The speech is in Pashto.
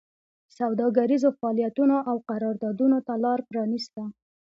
سوداګریزو فعالیتونو او قراردادونو ته لار پرانېسته